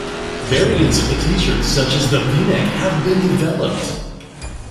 Variants of the T-shirt, such as the V-neck, have been developed.